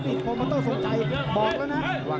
นี่คือยอดมวยแท้รักที่ตรงนี้ครับ